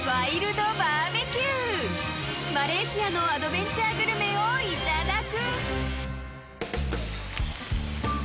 ［マレーシアのアドベンチャーグルメをいただく］